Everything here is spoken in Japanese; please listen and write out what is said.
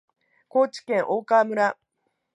高知県大川村